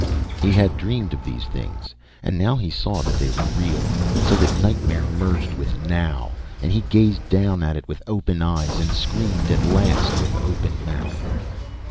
He had dreamed of these things, and now he saw that they were real, so that nightmare merged with now, and he could gaze down at it with open eyes and scream at last with open mouth.